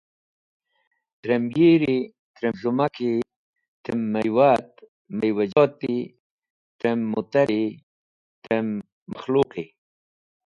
Trem yiri, trem z̃hũmaki, trem maywa et maywajoti, trem mutari, trem makhluqi.